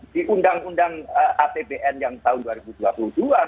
di undang undang apbn yang tahun dua ribu dua puluh dua